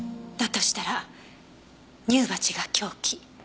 としたら乳鉢が凶器。